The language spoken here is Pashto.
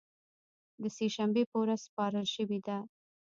د سې شنبې په ورځ سپارل شوې ده